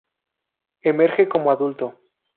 Emerge como adulto.